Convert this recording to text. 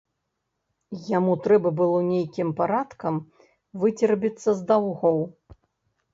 Яму трэба было нейкім парадкам выцерабіцца з даўгоў.